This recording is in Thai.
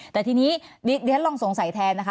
แต่ทีนี้เรียนลองสงสัยแทนนะคะ